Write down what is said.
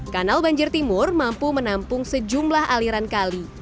kanal banjir timur mampu menampung sejumlah aliran kali